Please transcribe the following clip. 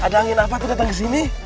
ada angin apa tuh datang kesini